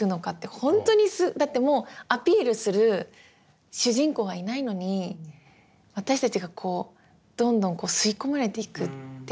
ほんとにだってもうアピールする主人公はいないのに私たちがこうどんどん吸い込まれていくっていうのって。